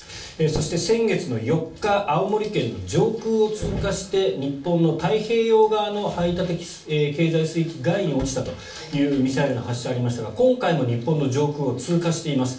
そして、先月４日青森県の上空を通過して日本の太平洋側の排他的経済水域外に落ちたというミサイルの発射がありましたが今回も日本の上空を通過しています。